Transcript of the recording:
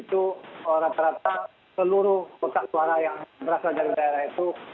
itu rata rata seluruh kotak suara yang berasal dari daerah itu